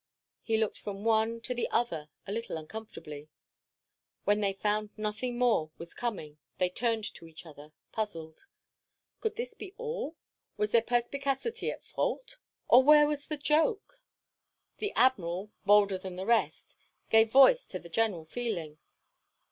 He looked from one to the other a little uncomfortably. When they found nothing more was coming they turned to each other, puzzled. Could this be all? Was their perspicacity at fault? or where was the joke? The Admiral, bolder than the rest, gave voice to the general feeling.